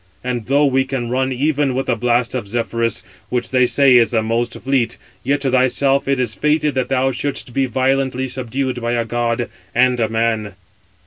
And [though] we can run even with the blast of Zephyrus, which they say is the most fleet, yet to thyself it is fated that thou shouldst be violently subdued by a god and a man."